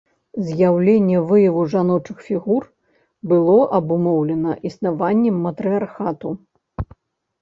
З'яўленне выяў жаночых фігур было абумоўлена існаваннем матрыярхату.